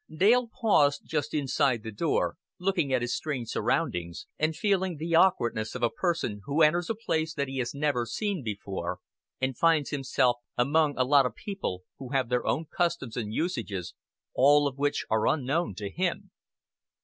Dale paused just inside the door, looking at his strange surroundings, and feeling the awkwardness of a person who enters a place that he has never seen before, and finds himself among a lot of people who have their own customs and usages, all of which are unknown to him.